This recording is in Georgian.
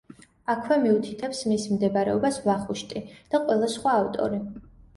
აქვე მიუთითებს მის მდებარეობას ვახუშტი და ყველა სხვა ავტორი.